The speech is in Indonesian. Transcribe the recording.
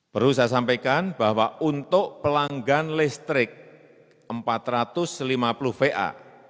perlu saya sampaikan bahwa untuk pelanggan listrik empat ratus lima puluh va